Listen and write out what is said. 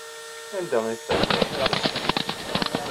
Anda ay tetɛeddaḍ fell-asen?